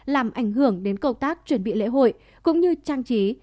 làm ảnh hưởng đến công tác chuẩn bị lễ hội cũng như trang trí